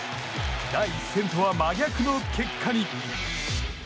第１戦とは真逆の結果に。